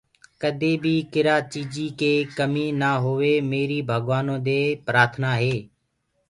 ڪَدي بي ڪرآ چيجي ڪي ڪمي نآ هوئ ميري ڀگَوآنو دي پرآٿنآ هي